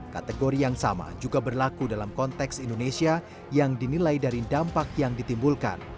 kategori yang sama juga berlaku dalam konteks indonesia yang dinilai dari dampak yang ditimbulkan